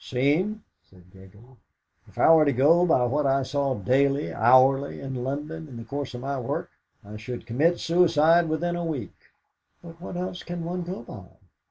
"Seen?" said Gregory. "If I were to go by what I saw daily, hourly, in London in the course of my work I should commit suicide within a week." "But what else can one go by?"